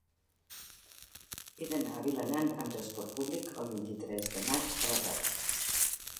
He d'anar a Vilanant amb trasport públic el vint-i-tres de maig a la tarda.